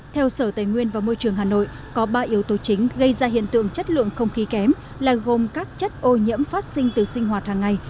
theo sở tài nguyên và môi trường hà nội có ba yếu tố chính gây ra hiện tượng chất lượng không khí kém là gồm các chất ô nhiễm phát sinh từ sinh hoạt hàng ngày